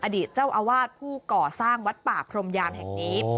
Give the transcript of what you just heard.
อดีตเจ้าอาวาสผู้ก่อสร้างวัดป่าพรมยามแห่งนี้